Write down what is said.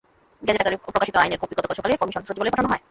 Gazette আকারে প্রকাশিত আইনের কপি গতকাল সকালে কমিশন সচিবালয়ে পাঠানো হয়।